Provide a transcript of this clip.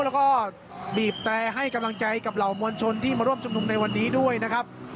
แล้วก็บีบแต่ให้กำลังใจกับเหล่ามวลชนที่มาร่วมชุมนุมในวันนี้ด้วยนะครับ